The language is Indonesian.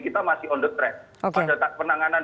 kita masih on the track pada penanganan